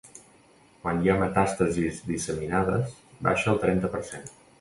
Quan hi ha metàstasis disseminades baixa al trenta per cent.